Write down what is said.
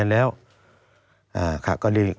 ตั้งแต่ปี๒๕๓๙๒๕๔๘